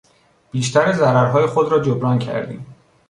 بیشتر ضررهای خود را جبران کردیم.